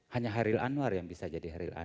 hanya haril anwar yang bisa jadi haril anwar